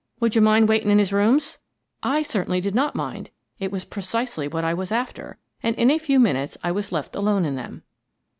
Would you mind waitin' in his rooms?" I certainly did not mind, — it was precisely what I was after, — and in a very few minutes I was left alone in them.